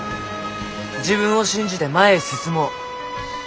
「自分を信じて前へ進もう」。